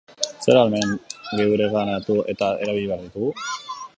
Zer ahalmen geureganatu eta erabili behar ditugu?